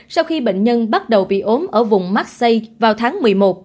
sau khi bệnh nhân bắt đầu bị ốm ở vùng marseille vào tháng một mươi một